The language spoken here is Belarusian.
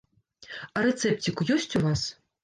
А рэцэпцік ёсць у вас?